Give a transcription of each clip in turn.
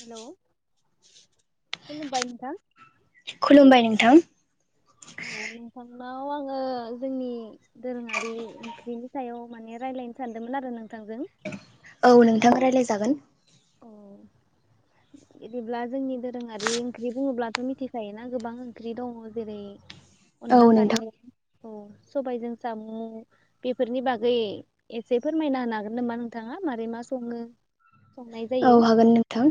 Hello खुलुमबाय नोंथां खुलुमबाय नोंथां औ नोंथांनाव आङो जोंनि दोरोङारि ओंख्रिनि सायाव माने रायलायनो सानदोंमोन आरो नों थांजों थां रायलायजागोन। इदिब्ला जोंनि दोरोङारि ओंख्रि बुङोब्लाथ मिथिखायोना औ अनला नोंथां खारिे औ सबायजों सामु बेफोरनि बागै एसे फोरमायना होन हागोन नामा नोंथाङा मारै मा सङो? संनाय औ जायो हागोन नोंथां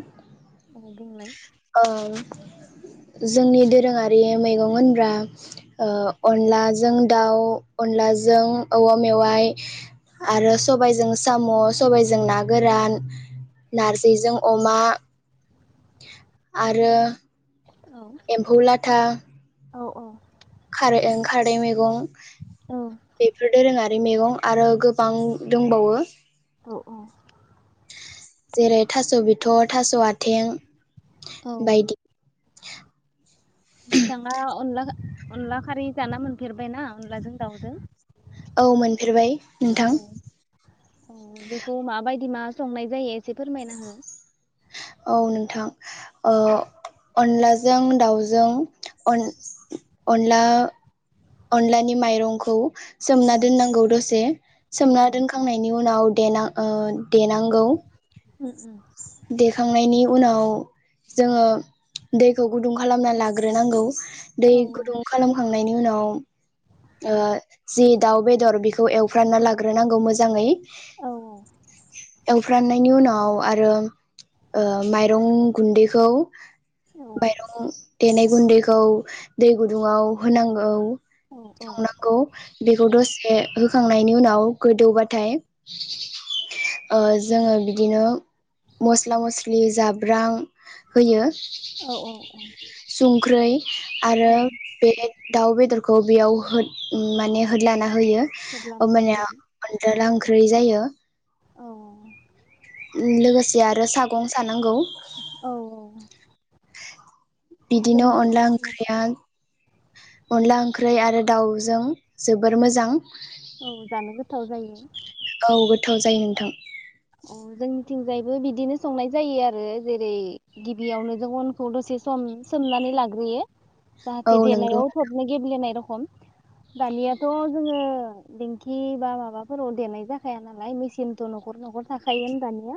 औ बुंलाय। ओ जोंनि दोरोङारि मैगं होनब्रा ओ अनलाजों दाउ अनलाजों औवा मेवाइ आरो सबायजों साम सबायजों ना गोरान। नारजि बेजों अमा - आरो औ एम्फौलाथा खारै ओं खारदै मैगं बेफोर दोरोंङा आरि मेगं आरो गोबां दोंबावो। औ जेरै थास' बिथ' बिथ थास आथें औ बायदि। बिथाङा अनला अनला खा-खारै जाना मोनफेरबायना अनलाजों दाउजों। औ मोनफेरबाय नोंथां। औ दि मा संनाय जायो एसे फोरमायना हो। औ नोंथां ओ अनलाजों दाउजों अन अनला अनलानि माइरंखौ सोमना औ दोननांगौ दसे सोमना दोनखांनायनि उनाव देना ओन देनांगौ उम उम। देखांनायनि उनाव जोंङो दैखौ गुदुं खालामना लाग्रोनांगौ। औ दै गुदुं खालाम खां खांनायनि उनाव ओ जि दाउ बेदर बेखौ एवफ्रानना लाग्रोनांगौ मोजांङै। औ एवफ्रांनायनि उनाव आरो ओ माइरं गुन्दैखौ औ मायरं आव देनाय गुन्दैखौ दै गुदुंङाव होनांगौ। औ संनांगौ बेखौ दसे होखां नायनि उनाव गोदौबाथाय ओ जोंङो बिदिनो मस्ला मस्लि जाब्रां होयो। औ औ सुंख्रै आरो औ बे दाउ बेदरखौ बेयाव होद माने होदलाना होयो जेब्ला नांगौ ओमबानिया जायो अनदिला ओंख्रै जायो। औ लोगोसे आरो सागं सानांगौ। औ औ बिदिनो जोंनिखै अनला ओंख्रिया अनला ओंख्रि आरो दाउजों जोबोर मोजां। औ जानो गोथाव जायो। औ गोथाव जायो नोंथां। अ जों थिंजायबो बिदिनो संनाय जायो आरो जेरै गिबियावनो जों अनखौ दसे सम सोमनानै लाग्रोयो। औ जाहाथे नंगौ देनायाव थबनो गेब्लेनाय रख खम दानियाथ' जोङो दिंखि बा माबाफोराव देनाय जाखाया नालाय मेचिनथ' न'खर न'खर थाखायोनो दानिया।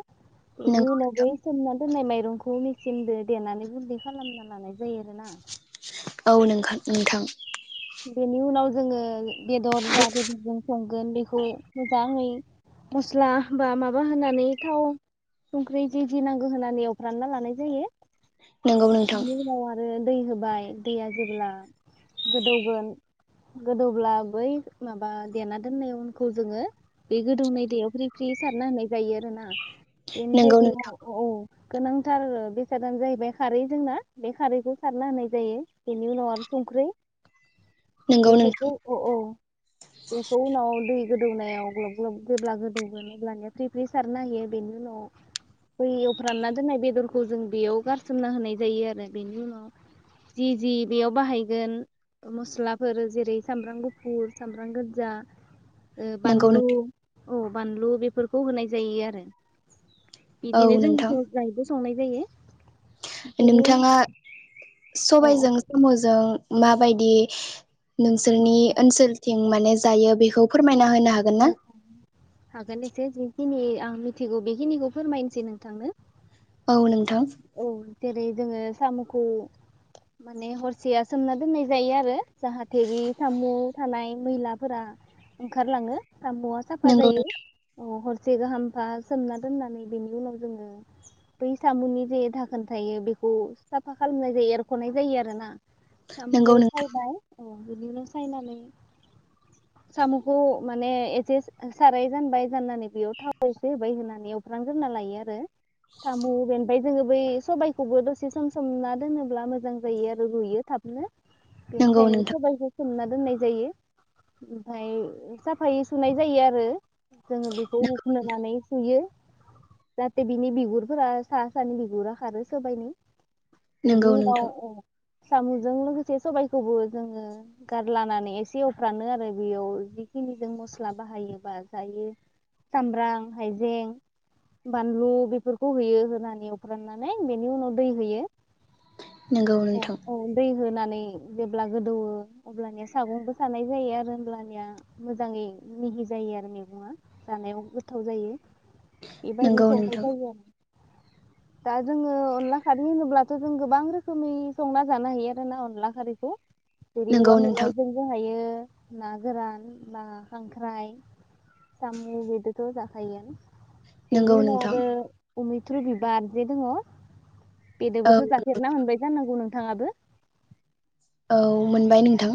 बिनि नोंगौ उनाव बै नोंथां सोमना दोननाय माय माइरंखौ मेचिनजों देनानै गुन्दै खालामना लानाय जायो आरोना। औ नोंथां। बेनि उनाव जोङो बेदर जा बेदरजों सं गोन बेखौ मोजाङै मस्ला बा माबा होनानै थाव संख्रि जि जि नांगौ होनानै एवफ्रामना लानाय जायो। नोंगौ नोंथां बिनि उनाव आरो दै होबाय दैया जेब्ला गोदौगोन गोदौब्ला बै माबा देना दोननाय अनखौ जोङो बे गोदौनाय दैयाव फ्रि फ्रि सारना होनाय जायो आरोना। बेनिफ्राय नोंगौ बेयाव नोंथां औ औ। गोनांथार बेसादानो जाहैबाय खारै जोंना बे खारैखौ सारना होनाय जायो बेनि उनाव आरो संख्रै नोंगौ बिखौथ' नोंथां औ औ। बेखौ उनाव दै गोदौनायाव ग्लब ग्लब जेब्ला गोदौगोन अब्लानिया फ्रि फ्रि सारनो होयो बेनि उनाव बै एवफ्रामना दोननाय बेदरखौ जों बेयाव गारसोमना होनाय जायो आरो बेनि उनाव जि जि बेयाव बाहायगोन मस्लाफोर जेरै सामब्राम गुफुर, सामब्राम गोजा ओ नोंगौ बानलु। नोंथां औ बानलु बेफोरखौ होनाय जायो आरो। औ बिदिनो जों नोंथां [unintelligible] संनाय जायो। बेनि उनाव नोंथाङा औ सबाइजों साम'जों माबायदि नोंसोरनि ओनसोलथिं माने जायो बेखौ फोरमाय औ हागोन [unintelligible] जिखिनि आं मिथिगौ बेखिनिखौ फोरमायनोसै नोंथांनो। औ नों औ जेरै। जोङो साम'खौ माने हरसेया सोमना दोननाय जायो आरो जाहाथे बे साम' थानाय मैलाफोरा ओंखारलाङो। साम'आ साफा नोंगौ जायो ह से गाहामफा सोमना दोननानै बेनि उनाव जोङो बै सामुनि जे दाखोन थायो बेखौ साफा खालामनाय जायो एरख'नाय जायो आरोना। नोंगौ साम'खौ नोंथां सामबाय ओ बिदिनो सायनानै साम'खौ माने एसे साराय जानबाय जाननानै बेयाव थाव एसे होबाय होनानै एवफ्रामग्रोना लायो आरो साम' बे ओमफाय जोङो बै सबायखौबो दसे सम सोमना दोनोब्ला मोजां जायो आरो रुयो थाबनो। नोंगौ बेनिखायनो नोंथां सबायखौ‌‌ सोमना दोननाय जायो ओमफ्राय साफायै सुनाय जायो आरो जोङो बेखौ हुख'नानै सुयो। जाहाथे बिनि बिगुरफोरा सा सानि बिगुरा खारो सोबायनि‌। बिनि नोंगौ उनाव नोंथां अ साम'जों लोगोसे सबायखौबो जोङो गारलानानै एसे एवफ्रामो आरो बेयाव जिखिनि जों मस्ला बाहायोबा जायो सामब्राम, हायजें, बानलु बेफोरखौ होयो गोरान एवफ्रामनानै बेनि उनाव दै होयो। नोंगौ ह नोंथां औ दै होनानै ओ जेब्ला गोदौवो अब्लानिया सागंबो सानाय जायो आरो होमब्लानिया मोजाङै मिहि जायो आरो मैगंआ जानायाव गोथाव जायो। इबेबायदि नोंगौ संनाय नोंथां जायो आरो दा जोङो अनला खारै होनोब्लाथ' जों गोबां रोखोमै संना जानो हायो आरोना अनला खारैखौ। जेरै औवा नोंगौ नोंथां मेवाइजोंबो जायो। ना गोरान, ना, खांख्राइ, साम' बेदथ' जाखायोनो। बेनि नोंगौ उनाव नोंथां आरो अमित्र' बिबारबो दङ औ बेदिबोथ' जाफेरनो मोनबाय जानांगौ नों थाङा दे। औ मोनबाय नोंथां।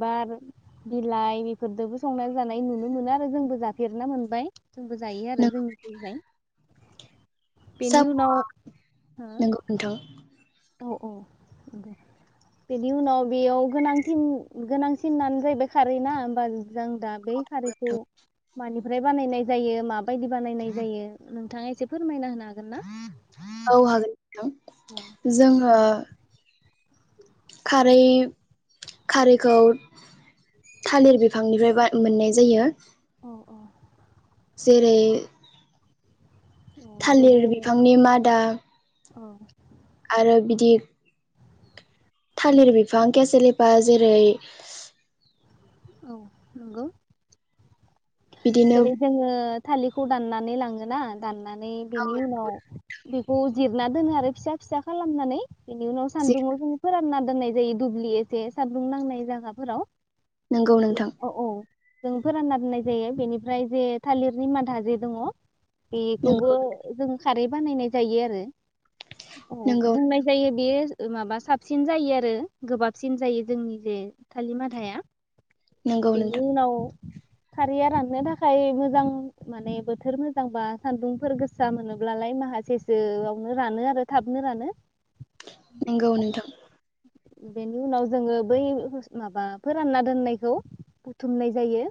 बिबार बिलाइ बेफोरजोंबो संना जानाय नुनो मोना आरो जोंबो जाफेरनो मोनबाय जोंबो जायो आरो जोंनिथिंजाय। बेनि जाफुङा उनाव नोंगौ नोंथां अ अ नंगौ बेनि उनाव बेयाव गोनांथि गोनांसिनानो जाहैबाय खारैना होमबा जों दा बै खारैखौ मानि ओमफ्राय बानायनाय जायो माबायदि बानायनाय जायो नोंथाङा एसे फोरमायना होनो हागोन ना? औ हागोन नोंथां औ जों ओ खारै खारैखौ थालिर बिफांनिफ्राय बा मोननाय जायो औ औ जेरै औ थालिर जेरै बिफांनि मादा औ। आरो बिदि थालिर बिफां केसे लेफा जेरै औ नंगौ। बिदिनो जेरै जोङो थालि खौ दाननानै लाङो ना दान दाननानै बेनि उनाव खौ जिरना दोनो आरो फिसा फिसा खालामनानै बिनि उनाव सान्दुंआव जों फोरानना दोननाय जायो दुब्लि एसे सानदुं नांनाय जागाफोराव। नंगौ नोंथां अ औ। जों फोरानना दोननाय जायो बेनिफ्राय जे थालिर नि मादा जे दङ बेखौबो नंगौ जों खारै बानायनाय जायो आरो औ नंगौ बुंनाय जायो बेयो ओ माबा साबसिन जायो आरो गोबाबसिन जायो जोंनि जे थालिर मादाया। नंगौ बिनि नोंथां उनाव खारैया राननो थाखाय मोजां माने बोथोर मोजांबा सान्दुंफोर गोसा मोनोब्लालाय माहासेसआवनो रानो आरो थाबनो रानो। नंगौ नोंथां। बेनि उनाव जोंङो बै माबा फोरानना दोननायखौ बुथुमनाय जायो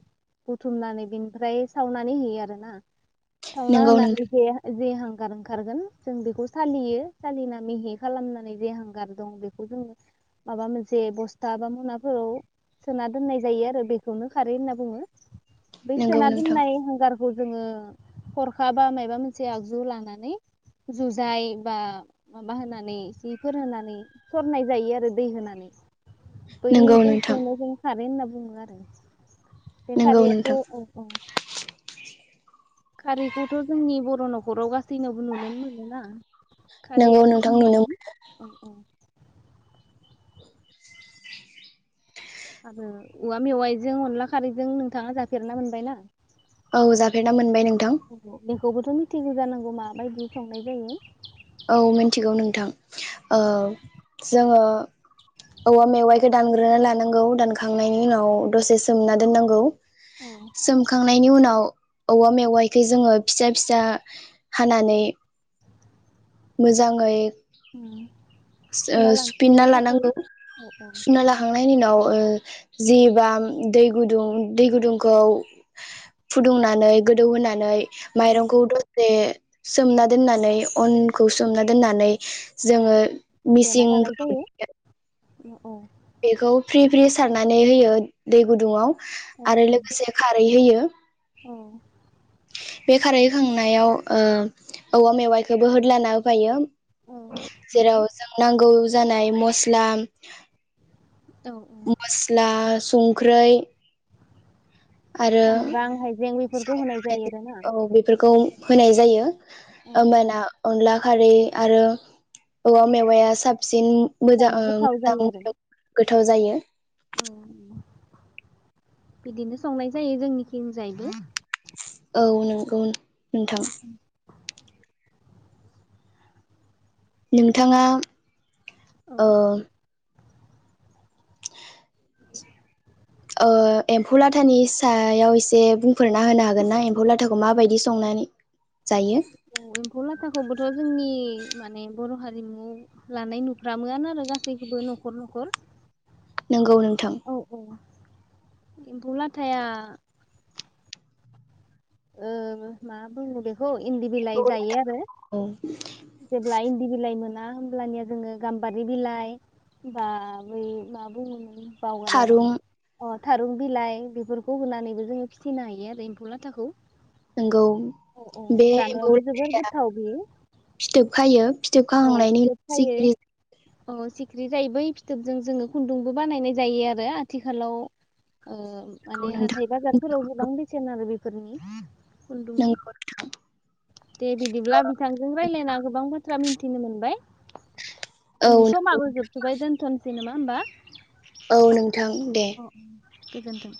बुथुमनानै बिनिफ्राय सावनानै हैयो आरोना। सावना नंगौ होनानै नोंथां जे‌ जे हांगार ओंखारगोन जों बेखौ सालियो सालिना मेहि खालामनानै जे हांगार दं बेखौ जों माबा मोनसे बस्था बा मना फोराव सोना दोननाय जायो आरो बेखौनो खारै होनना बुङो। बै नंगौ सोना नोंथां दोननाय हांगार खौ जोङो हरखा बा माबा मोनसे आगजु लानानै नंगौ बैदि नोंथां खौनो जों खारै होनना बुंङो। बुंङो आरो बेे नंगौ खारैखौ नोंथां औ औ। खारैखौथ' जोंनि बर' न'खराव गासैनावबो नुुनोनो मोनोना। खारै नंगौ यानो नोंथां नुनो औ औ। आरो औवा मेवाइजों अनला खारैजों नोंथाङा जाफेरना मोनबायना? औ जाफेरना मोनबाय नोंथां? औ बेखौबोथ' मिथिगौ जानांगौ माबायदि संनाय जायो? औ मिथिगौ नोंथां अ जोङो औवा मेवाइखौ दानग्रोना लानांगौ दानखांनायनि उनाव दसे सोमना दोननांगौ। औ सोमखांनायनि उनाव औवा मेवायखौ जोङो फिसा फिसा हानानै मोजाङै। उम ओ सुना लानाय स-सुफिन्ना जायो साफायै लानांगो, औ औ सुना लाखांनायनि उनाव ओ जि बाम दै गुदुं दै गुदुंखौ फुदुंनानै गोदौहोनानै औ माइरंखौ दसे सोमना दोननानै अन- खौ सोमना दोननानै जोङो देना जानाय जायो। मिसिंफोराव औ औ। बेखौ फ्रि फ्रि सारनानै होयो दै गुदुङाव। आरो औ लोगोसे खारै होयो। औ। बे खारै होखांनायाव ओ औवा मेवाइखौबो होदलाना होफायो। औ [inaudible] नंगौ जेराव जों नांगौ जानाय मस्ला औ औ मस्ला संख्रै आरो सामब्राम हाइजें बेफोरखौ होनाय जायो आरोना [inaudible] औ बेफोरखौ होनाय जायो औ औ होमबाना अनला खारै आरो औवा मेवाया साब सिन मोजा जानो ओ गोथाव जायो आरो मोजां गोथाव जायो औ बिदिनो संनाय जायो जोंनिखिं जायबो। औ नंगौ। नोंथां नोंथाङा औ ओ ओ एम्फौ लाथानि सायाव एसे बुंफोरना होनो हागोनना एम्फौ लाथाखौ माबायदि संनानै जायो एम्फु लाथा - खौबोथ' जोंनि माने बर' हारिमु लानाय नुफ्रामोआनो आरो गासैखौबो न'खर न'खर नंगौ नोंथां। औ औ। एम्फौ लाथाया ओ मा बुङो बेखौ। इन्दि बिलाइ जायो आरो औ जेब्ला इन्दि बिलाइ मोन ना होमब्लानिया जोङो गाम्बारि बिलाइ, बा बै मा बुङोमोन? बाव गारलाय थारुं लांदों बावा थारुन बिलाइ बेफोरखौ होनानैबो जोङो फिसिनो हायो आरो एम्फौ लाथाखौ। नोंगौ औ औ बे एम्फौ जानायावबो जोबोर लाथाया गोथाव बेयो फिथोब खायो फि जोबखाहांनायनि सिखिरि। अ' सिख्रि जायो बै फिथोबजों जोङो खुन्दुंबो बानायनाय जायो आरो आथिखालाव ओ माने हाथाय नोंथां बाजारफोराव गोबां बेसेन आरो बे फोरनि खुन्दु नोंगौ दे बिदिब्ला बिथांजों रायज्लायना गोबां बाथ्रा मिथि। सिनो मोनबाय। औ दिनै समाबो जोबथ'बाय दोनथ'नोसै नामा? होनबा औ नोंथां दे। गोजोन्थों।